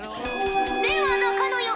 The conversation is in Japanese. では中野よ